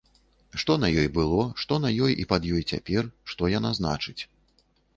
Што на ёй было, што на ёй і пад ёй цяпер, што яна значыць.